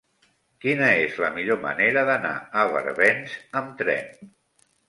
Quina és la millor manera d'anar a Barbens amb tren?